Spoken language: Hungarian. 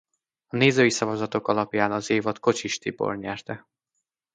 A nézői szavazatok alapján az évad Kocsis Tibor nyerte.